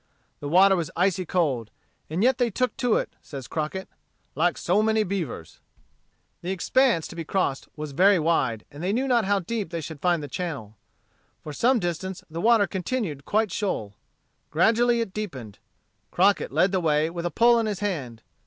The water was icy cold. And yet they took to it, says Crockett, "like so many beavers." The expanse to be crossed was very wide, and they knew not how deep they should find the channel. For some distance the water continued quite shoal. Gradually it deepened. Crockett led the way, with a pole in his hand.